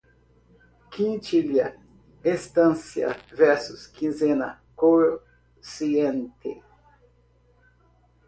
Quintilha, estância, versos, quinzena, quociente